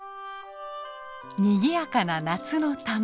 にぎやかな夏の田んぼ。